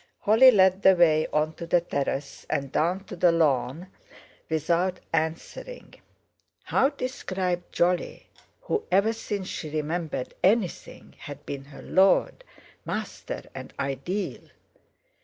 Holly led the way on to the terrace and down to the lawn without answering. How describe Jolly, who, ever since she remembered anything, had been her lord, master, and ideal?